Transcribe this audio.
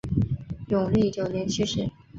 永历九年去世。